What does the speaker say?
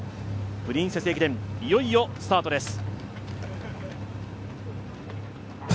プリンセス駅伝、いよいよスタートです。